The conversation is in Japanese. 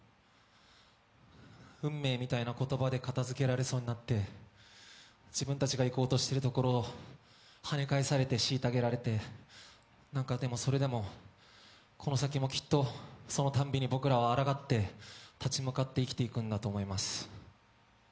運命みたいな言葉で片づけられそうになって自分たちが行こうとしてるところを跳ね返されて虐げられて、何か、それでもこの先もきっとそのたんびに僕らはあらがって立ち向かって生きていくんだと思います。